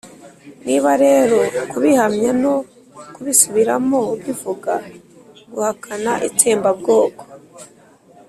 niba rero kubihamya no kubisubiramo bivuga guhakana itsembabwoko,